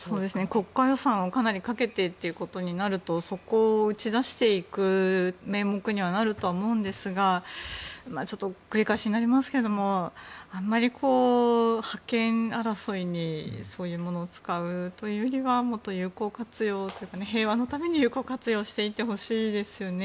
国家予算をかなりかけてということになるとそこを打ち出していく名目にはなると思うんですが繰り返しになりますけどあまり覇権争いにそういうものを使うというよりはもっと有効活用というか平和のために有効活用してほしいですよね。